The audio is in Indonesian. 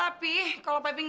anak mami udah pulang